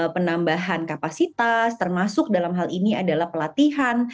penambahan kapasitas termasuk dalam hal ini adalah pelatihan